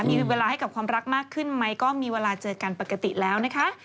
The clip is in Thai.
มีเวลาให้กับความรักมากขึ้นไหมก็มีเวลาเจอกันปกติแล้วนะคะ